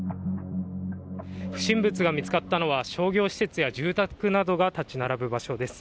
不審物が見つかったのは商業施設や住宅が立ち並ぶ場所です。